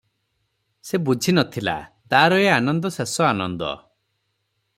ସେ ବୁଝି ନଥିଲା, ତାର ଏ ଆନନ୍ଦ ଶେଷ ଆନନ୍ଦ ।